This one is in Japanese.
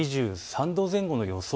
２３度前後の予想